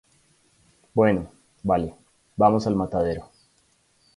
bueno, vale, vamos al matadero.